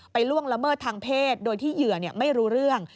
ล่วงละเมิดทางเพศโดยที่เหยื่อไม่รู้เรื่อง